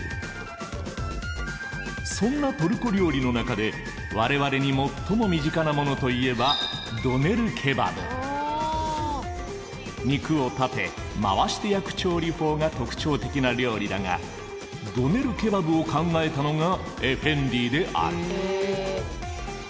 そんなトルコ料理の中で我々に最も身近なものといえば肉を立て回して焼く調理法が特徴的な料理だがドネルケバブを考えたのがエフェンディである。